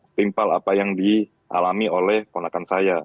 setimpal apa yang dialami oleh ponakan saya